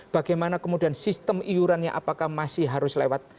bagaimana kemudian sistem iurannya apakah masih harus lewat